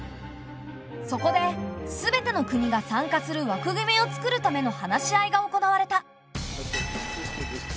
そこですべての国が参加する枠組みを作るための話し合いが行われた。